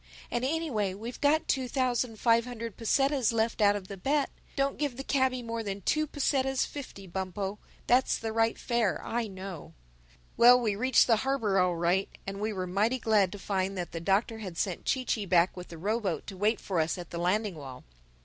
And anyway we've got two thousand five hundred pesetas left out of the bet. Don't give the cabby more than two pesetas fifty, Bumpo. That's the right fare, I know." Well, we reached the harbor all right and we were mighty glad to find that the Doctor had sent Chee Chee back with the row boat to wait for us at the landing wall.